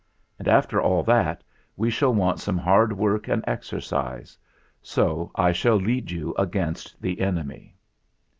And after that we shall want some hard work and exercise, so I shall lead you against the enemy."